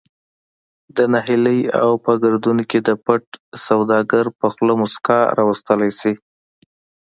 د نهیلي او په گردونو کی د پټ سوداگر په خوله مسکا راوستلې شي